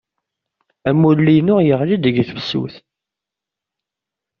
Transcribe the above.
Amulli-inu iɣelli-d deg tefsut.